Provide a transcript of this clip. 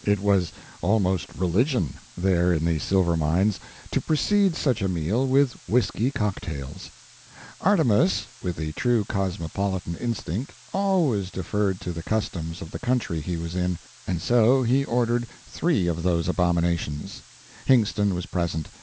It was almost religion, there in the silver mines, to precede such a meal with whisky cocktails. Artemus, with the true cosmopolitan instinct, always deferred to the customs of the country he was in, and so he ordered three of those abominations. Hingston was present.